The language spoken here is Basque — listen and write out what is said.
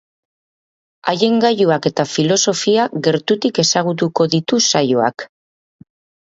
Haien gailuak eta filosofia gertutik ezagutuko ditu saioak.